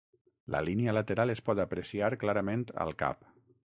La línia lateral es pot apreciar clarament al cap.